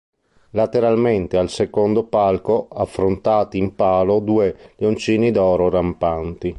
Lateralmente al secondo palco, affrontati in palo, due leoncini d'oro rampanti.